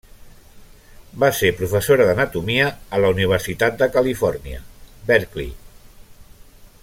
Va ser professora d'anatomia a la Universitat de Califòrnia, Berkeley.